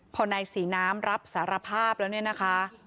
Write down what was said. พอนายศรีน้ำรับสารภาพแล้วเนี่ยนะคะ